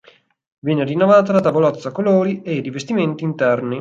Viene rinnovata la tavolozza colori e i rivestimenti interni.